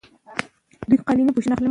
د دوی خوراک یوازې د انسانانو غوښې دي.